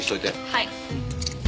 はい。